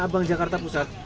tanah abang jakarta pusat